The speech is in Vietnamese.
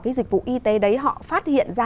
cái dịch vụ y tế đấy họ phát hiện ra